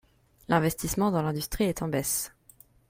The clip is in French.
L’investissement dans l’industrie est en baisse.